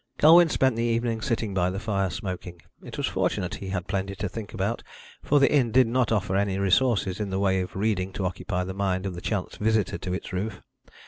Colwyn spent the evening sitting by the fire, smoking. It was fortunate he had plenty to think about, for the inn did not offer any resources in the way of reading to occupy the mind of the chance visitor to its roof.